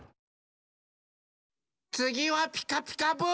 つぎは「ピカピカブ！」ですよ！